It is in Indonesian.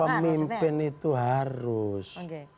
para pemimpin itu harus